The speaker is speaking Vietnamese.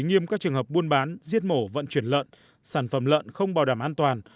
nghiêm các trường hợp buôn bán giết mổ vận chuyển lợn sản phẩm lợn không bảo đảm an toàn